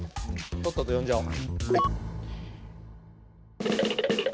とっとと呼んじゃおう。